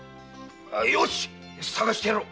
よしっ捜してやろう！